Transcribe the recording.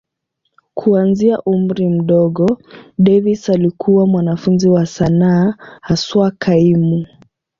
Kuanzia umri mdogo, Davis alikuwa mwanafunzi wa sanaa, haswa kaimu.